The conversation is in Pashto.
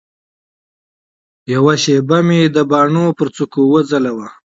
یوه شېبه مي د باڼو پر څوکه وځلوه